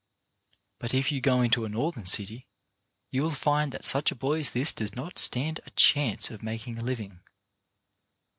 But if you go into a Northern city you will find that such a boy as this does not stand a chance of making a living.